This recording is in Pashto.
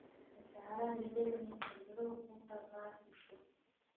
د سارا لیدل مې پر زړه غوټه پاته شول.